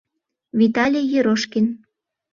Виталий ЕРОШКИН